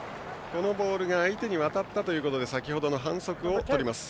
このボールが相手に渡ったということで先ほどの反則をとります。